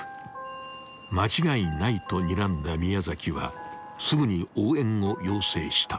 ［間違いないとにらんだ宮はすぐに応援を要請した］